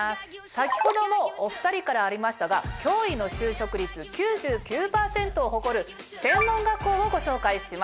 先ほどもお２人からありましたが驚異の就職率９９％を誇る専門学校をご紹介します。